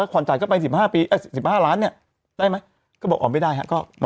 ข่อนจ่ายก็ไป๑๕ล้านเนี่ยได้ไหมก็บอกออกไม่ได้ครับ